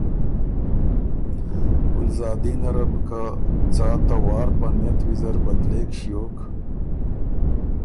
ګلزادینه ره بو که څا ته وار په نئت ویزر بدلېک ݭیوک،